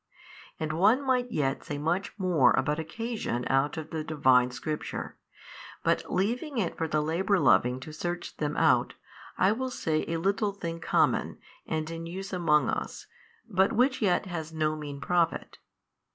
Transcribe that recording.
And one might yet say much more about occasion out of the Divine Scripture, but leaving it for the labour loving to search them out, I will say a little thing common, and in use among us, but which yet has no mean profit.